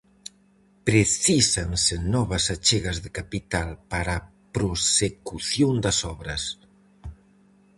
Precísanse novas achegas de capital para a prosecución das obras.